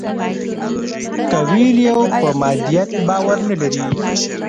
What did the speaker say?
کویلیو په مادیت باور نه لري.